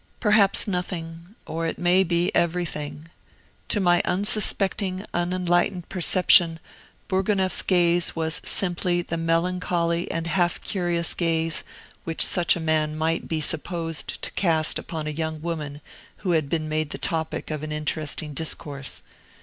Perhaps nothing; or it may be everything. To my unsuspecting, unenlightened perception, Bourgonef's gaze was simply the melancholy and half curious gaze which such a man might be supposed to cast upon a young woman who had been made the topic of an interesting discourse.